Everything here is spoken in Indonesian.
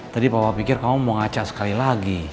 tadi papa pikir kamu mau ngaca sekali lagi